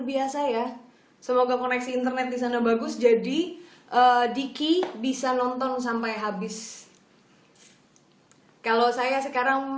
biasa ya semoga koneksi internet di sana bagus jadi diki bisa nonton sampai habis kalau saya sekarang